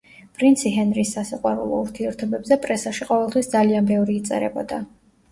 პრინცი ჰენრის სასიყვარულო ურთიერთობებზე პრესაში ყოველთვის ძალიან ბევრი იწერებოდა.